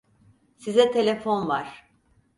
Size telefon var.